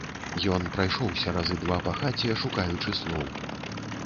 Ён прайшоўся разы два па хаце, шукаючы слоў.